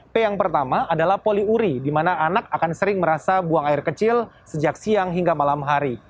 p yang pertama adalah poliuri di mana anak akan sering merasa buang air kecil sejak siang hingga malam hari